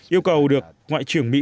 yêu cầu được ngoại trưởng mỹ